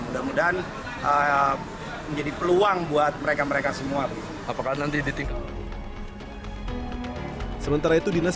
mudah mudahan menjadi peluang buat mereka mereka semua apakah nanti ditingkatkan sementara itu dinas